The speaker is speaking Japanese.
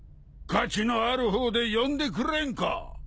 価値のある方で呼んでくれんか？